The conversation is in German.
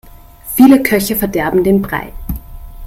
Viele Köche verderben den Brei.